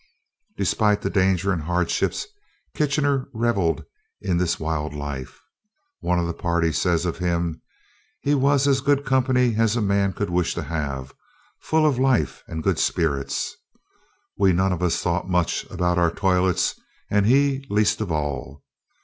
Despite the danger and hardships, Kitchener revelled in this wild life. One of the party says of him: "He was as good company as a man could wish to have, full of life and good spirits. We none of us thought much about our toilets, and he least of all.